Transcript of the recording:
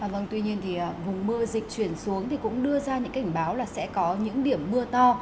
vâng tuy nhiên thì vùng mưa dịch chuyển xuống thì cũng đưa ra những cảnh báo là sẽ có những điểm mưa to